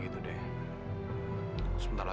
terima kasih samamu